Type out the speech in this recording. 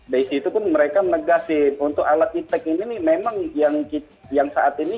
dari situ pun mereka menegaskan untuk alat iptec ini memang yang saat ini